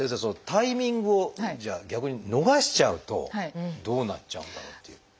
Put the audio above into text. そのタイミングを逆に逃しちゃうとどうなっちゃうんだろうっていう。